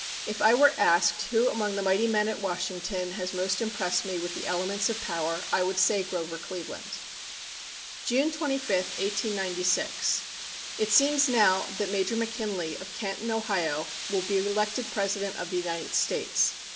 "If I were asked who among the mighty men at Washington has most impressed me with elements of power I would say Grover Cleveland. "June 25, 1896. It seems now that Major McKinley, of Canton, Ohio, will be elected President of the United States.